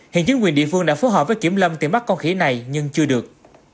hiện chính quyền địa phương đã phối hợp với kiểm lâm tìm bắt con khỉ này nhưng chưa được